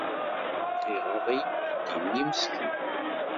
Iɣaḍ-iyi uydi-nni meskin.